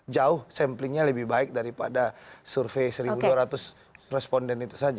jauh samplingnya lebih baik daripada survei satu dua ratus responden itu saja